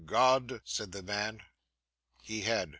said the man. He had.